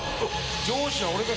上司は俺だ！